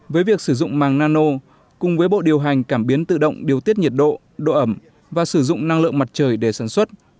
với việc sử dụng màng nano cùng với bộ điều hành cảm biến tự động điều tiết nhiệt độ độ ẩm và sử dụng năng lượng mặt trời để sản xuất